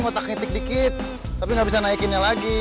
ngotaknya tik dikit tapi gak bisa naikinnya lagi